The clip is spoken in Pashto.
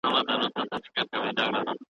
پوهان د انسان انګېزې څېړي.